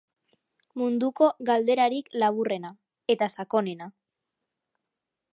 Munduko galderarik laburrena, eta sakonena.